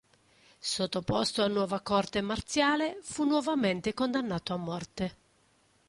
Sottoposto a nuova corte marziale fu nuovamente condannato a morte.